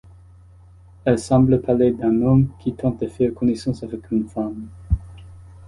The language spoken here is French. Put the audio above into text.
Elles semblent parler d'un homme qui tente de faire connaissance avec une femme.